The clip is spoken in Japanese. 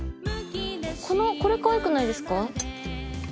これかわいくないですか。